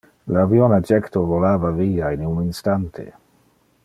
Le avion a jecto volava via in un instante.